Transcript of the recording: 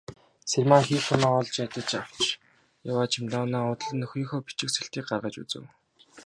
Цэрмаа хийх юмаа олж ядахдаа авч яваа чемоданаа уудлан нөхрийнхөө бичиг сэлтийг гаргаж үзэв.